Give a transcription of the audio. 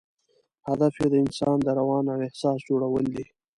هدف یې د انسان د روان او احساس جوړول دي.